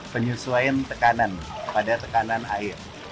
penyesuaian tekanan pada tekanan air